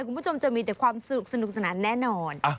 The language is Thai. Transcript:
คุณผู้ชมจะมีแต่ความสนุกสนานแน่นอน